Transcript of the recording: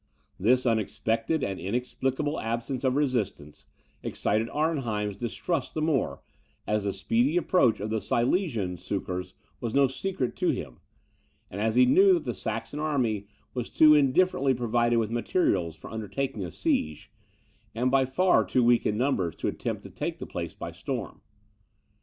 This unexpected and inexplicable absence of resistance excited Arnheim's distrust the more, as the speedy approach of the Silesian succours was no secret to him, and as he knew that the Saxon army was too indifferently provided with materials for undertaking a siege, and by far too weak in numbers to attempt to take the place by storm.